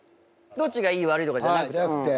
どっちがいい悪いとかじゃなくて。